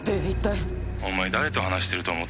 「お前誰と話してると思ってんだよ」